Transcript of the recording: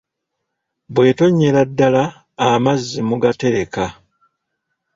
Bw'etonnyera ddala amazzi mugatereka.